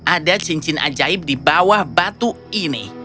ada cincin ajaib di bawah batu ini